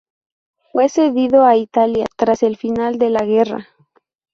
Fue cedido a Italia tras el final de la guerra.